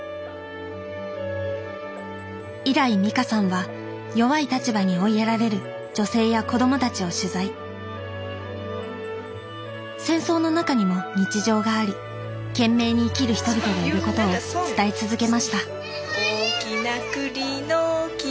以来美香さんは弱い立場に追いやられる女性や子供たちを取材戦争の中にも日常があり懸命に生きる人々がいることを伝え続けました